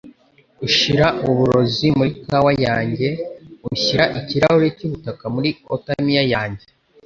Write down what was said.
Ushira uburozi muri kawa yanjye ushyira ikirahuri cyubutaka muri oatmeal yanjye